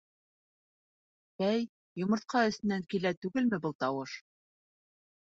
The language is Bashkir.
Бәй, йомортҡа эсенән килә түгелме был тауыш.